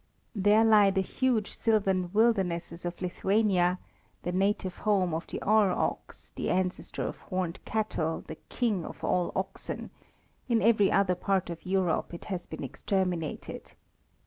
There lie the huge Sylvan wildernesses of Lithuania, the native home of the Ure ox, the ancestor of horned cattle, the king of all oxen; in every other part of Europe it has been exterminated.